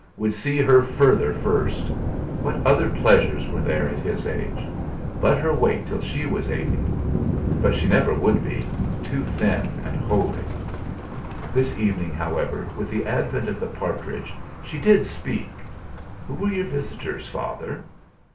Would see her further first! What other pleasures were there at his age? Let her wait till she was eighty. But she never would be; too thin and holy! This evening, however, with the advent of the partridge she did speak. "Who were your visitors, Father?"